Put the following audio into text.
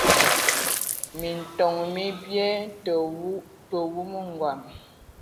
Minton mi bie, tə wumu ngɔn.